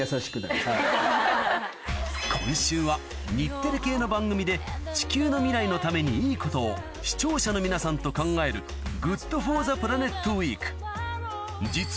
今週は日テレ系の番組で地球の未来のためにいいことを視聴者の皆さんと考えるＧｏｏｄＦｏｒｔｈｅＰｌａｎｅｔ